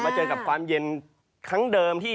เจอกับความเย็นครั้งเดิมที่